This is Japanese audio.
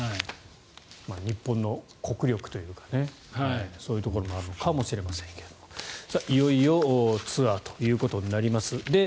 日本の国力というかそういうところもあるのかもしれませんがいよいよツアーということになります。